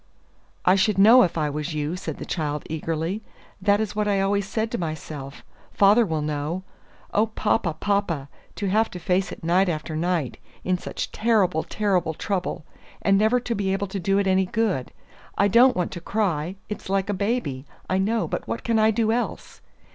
"I should know if I was you," said the child eagerly. "That is what I always said to myself, Father will know. Oh, papa, papa, to have to face it night after night, in such terrible, terrible trouble, and never to be able to do it any good! I don't want to cry; it's like a baby, I know; but what can I do else?